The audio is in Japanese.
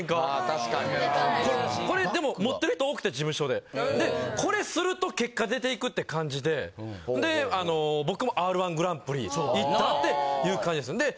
これでも持ってる人多くて、事務所で、これすると、結果出ていくっていう感じで、僕もＲー１グランプリいったっていう感じです。